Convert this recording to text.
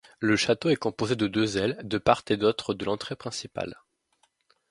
Le château est composé de deux ailes de part et d’autre de l’entrée principale.